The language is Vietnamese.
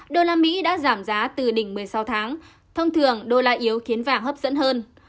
đô la mỹ đã giảm giá từ đỉnh một mươi sáu tháng thông thường đô la yếu khiến vàng hấp dẫn hơn